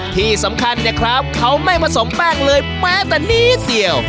ที่สำคัญเนี่ยครับเขาไม่ผสมแป้งเลยแม้แต่นิดเดียว